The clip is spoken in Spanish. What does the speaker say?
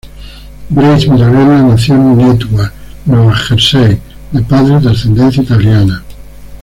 Grace Mirabella nació en Newark, Nueva Jersey, de padres de ascendencia italiana.